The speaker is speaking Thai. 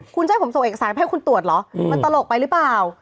คุณจะให้ผมส่งเอกสารไปให้คุณตรวจเหรอมันตลกไปหรือเปล่า